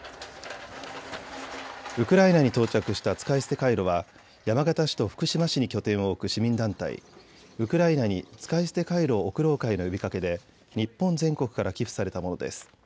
ウクライナに到着した使い捨てカイロは山形市と福島市に拠点を置く市民団体ウクライナに使い捨てカイロを送ろう会の呼びかけで日本全国から寄付されたものです。